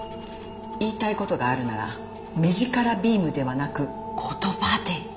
言いたい事があるなら目力ビームではなく言葉で。